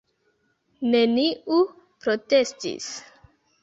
Neniu protestis.